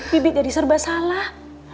bibi jadi serba salah